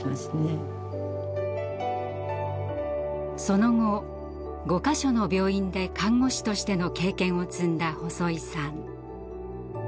その後５か所の病院で看護師としての経験を積んだ細井さん。